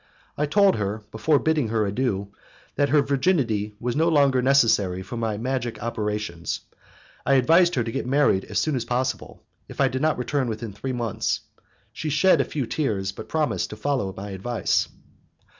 I told her, before bidding her adieu, that, her virginity being no longer necessary for my magic operations, I advised her to get married as soon as possible, if I did not return within three months. She shed a few tears, but promised to follow my advice.